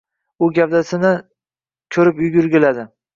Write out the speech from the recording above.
U gavdasini ko‘rib yugurgiladi.